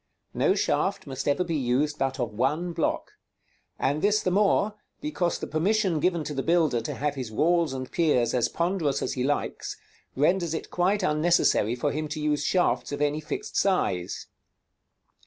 No shaft must ever be used but of one block; and this the more, because the permission given to the builder to have his walls and piers as ponderous as he likes, renders it quite unnecessary for him to use shafts of any fixed size.